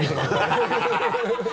ハハハ